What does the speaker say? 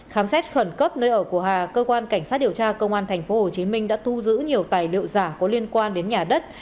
khám xét khẩn cấp nơi ở của hà cơ quan cảnh sát điều tra công an tp hcm đã thu giữ nhiều tài liệu giả có liên quan đến nhà đất